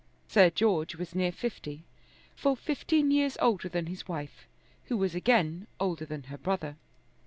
Sir George was near fifty, full fifteen years older than his wife, who was again older than her brother.